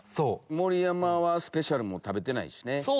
盛山はスペシャルメニューも食べてないしね。